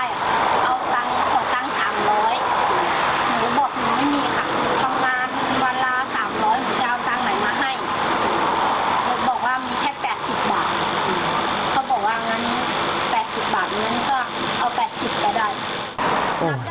เขาบอกว่ามีแค่๘๐บาทเขาบอกว่างั้น๘๐บาทเงินก็เอา๘๐ก็ได้